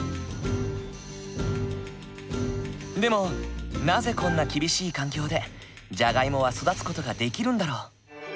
でもなぜこんな厳しい環境でじゃがいもは育つ事ができるんだろう？